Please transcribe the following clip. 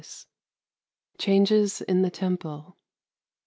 CHANGES IN THE TEMPLE.